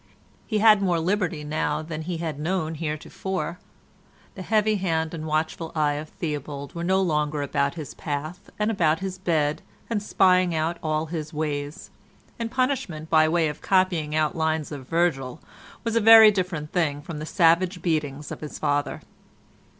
He had more liberty now than he had known heretofore. The heavy hand and watchful eye of Theobald were no longer about his path and about his bed and spying out all his ways; and punishment by way of copying out lines of Virgil was a very different thing from the savage beatings of his father.